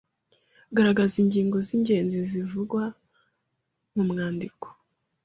Garagaza ingingo z’ingenzi zivugwa mu mwandiko